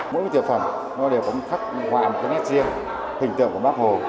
mỗi tiệp phẩm nó đều có một khắc hoạm một cái nét riêng hình tượng của bác hồ